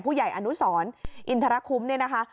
ผู้ใหญ่อนุสรอินทรคุ้มเนี่ยนะคะ